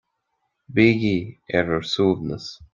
Bígí ar bhur shuaimhneas